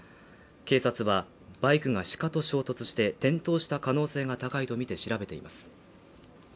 警察はバイクがシカと衝突して転倒した可能性が高いとみて調べています。